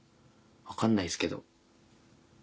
分かんないっすけど。